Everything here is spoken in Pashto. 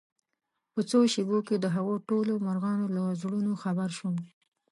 په څو شېبو کې دهغو ټولو مرغانو له زړونو خبر شوم